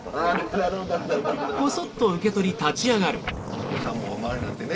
お子さんもお生まれになってね